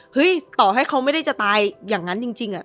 ต่อให้เขาไม่ได้จะตายอย่างนั้นจริง